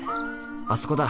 あそこだ。